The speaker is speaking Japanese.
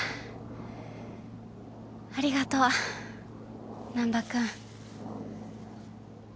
ありがとう難破君。